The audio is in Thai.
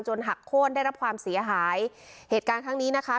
หักโค้นได้รับความเสียหายเหตุการณ์ครั้งนี้นะคะ